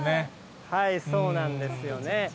そうなんですよね。